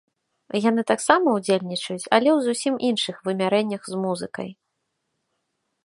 Яны таксама ўдзельнічаць, але ў зусім іншых вымярэннях з музыкай.